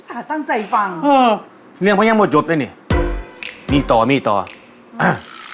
สาธารณ์ตั้งใจฟังเออเนี่ยมันยังไม่ยดเลยนี่มีต่อมีต่ออ่ะ